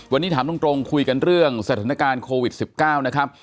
วันนี้ถามตรงคุยกันเรื่องสถานการณ์โควิด๑๙นะครับ